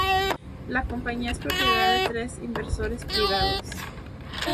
La compañía es propiedad de tres inversores privados.